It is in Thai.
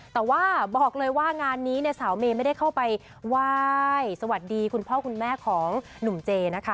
แต่ว่าบอกเลยว่างานนี้เนี่ยสาวเมย์ไม่ได้เข้าไปไหว้สวัสดีคุณพ่อคุณแม่ของหนุ่มเจนะคะ